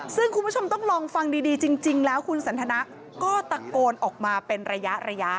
ซึ่งคุณผู้ชมต้องลองฟังดีจริงแล้วคุณสันทนะก็ตะโกนออกมาเป็นระยะ